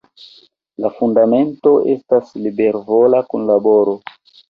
La fundamento estas libervola kunlaboro.